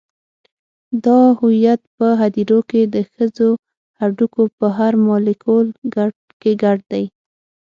دا هویت په هدیرو کې د ښخو هډوکو په هر مالیکول کې ګډ دی.